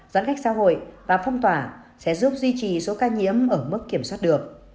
giãn cách xã hội và phong tỏa sẽ giúp duy trì số ca nhiễm ở mức kiểm soát được